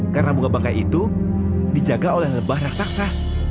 karena bunga bangkai itu dijaga oleh lebah raksasa